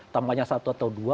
tambahnya satu atau dua